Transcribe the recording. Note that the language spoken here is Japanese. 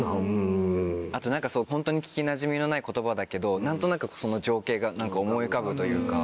あとホントに聞きなじみのない言葉だけど何となくその情景が思い浮かぶというか。